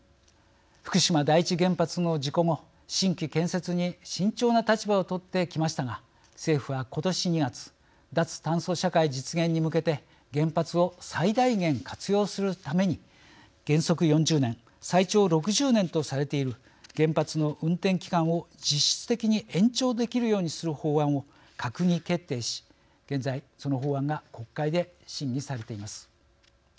福島第一原発の事故後新規建設に慎重な立場をとってきましたが政府は今年２月脱炭素社会実現に向けて原発を最大限活用するために原則４０年、最長６０年とされている原発の運転期間を実質的に延長できるようにする法案を閣議決定し現在その法案が国会で審議されています。